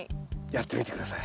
やってみて下さい。